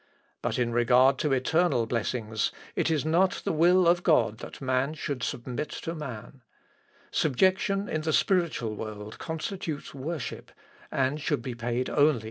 But in regard to eternal blessings, it is not the will of God that man should submit to man. Subjection in the spiritual world constitutes worship, and should be paid only to the Creator."